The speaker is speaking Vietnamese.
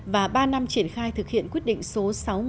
và ba năm triển khai thực hiện quyết định số sáu mươi